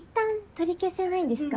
取り消せないんですか？